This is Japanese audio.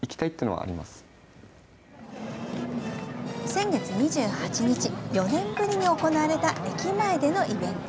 先月２８日４年ぶりに行われた駅前でのイベント。